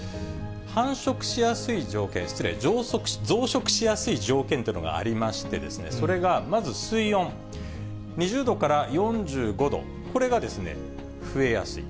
繁殖しやすい条件、失礼、増殖しやすい条件というのがありまして、それがまず水温、２０度から４５度、これが増えやすい。